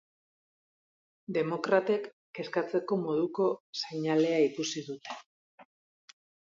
Demokratek kezkatzeko moduko seinalea ikusi dute.